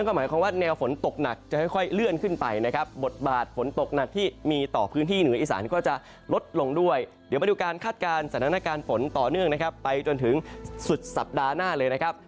ก็หมายความว่าแนวฝนตกหนักจะค่อยเลื่อนขึ้นไปนะครับบทบาทฝนตกหนักที่มีต่อพื้นที่เหนืออีสานก็จะลดลงด้วยเดี๋ยวมาดูการคาดการณ์สถานการณ์ฝนต่อเนื่องนะครับไปจนถึงสุดสัปดาห์หน้าเลยนะครับ